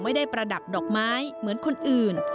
ประดับดอกไม้เหมือนคนอื่น